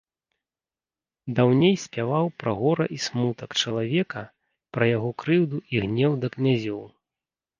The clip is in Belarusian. Даўней спяваў пра гора і смутак чалавека, пра яго крыўду і гнеў да князёў.